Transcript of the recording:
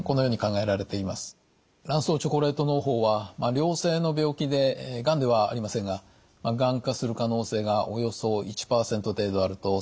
卵巣チョコレートのう胞は良性の病気でがんではありませんががん化する可能性がおよそ１％程度あるとされています。